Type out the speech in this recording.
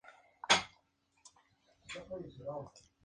El instituto hace parte de la Iglesia greco-católica melquita.